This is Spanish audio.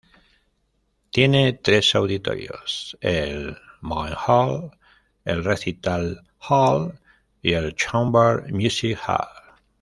Tiene tres auditorios el "Main Hall", el "Recital Hall" y el "Chamber Music Hall".